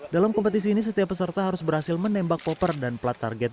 dalam kompetisi ini setiap peserta harus berhasil menembak koper dan plat target